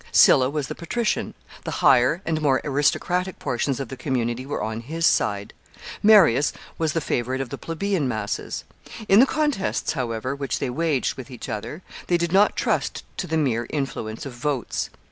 Sylla was the patrician; the higher and more aristocratic portions of the community were on his side. Marius was the favorite of the plebeian masses. In the contests, however, which they waged with each other, they did not trust to the mere influence of votes.